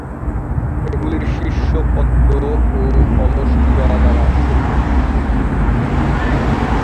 এগুলির শীর্ষ পদ্ম ও কলস চূড়া দ্বারা সজ্জিত।